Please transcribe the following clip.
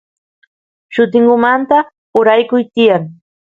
llutingumanta uraykuy tiyan